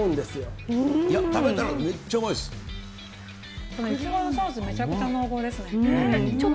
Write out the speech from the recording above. めっちゃうまいでしょ。